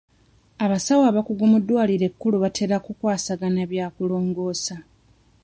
Abasawo abakugu ku ddwaliro ekkulu batera ku kwasaganya bya kulongoosa.